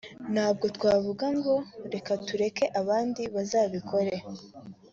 ntabwo twavuga ngo reka tureke abandi bazabikore